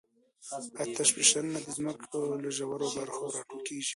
آتشفشانونه د ځمکې له ژورو برخو راټوکېږي.